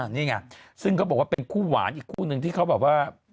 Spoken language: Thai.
นี่ไงซึ่งเขาบอกว่าเป็นคู่หวานอีกคู่นึงที่เขาแบบว่า